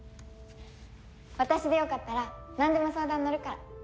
私でよかったらなんでも相談にのるから。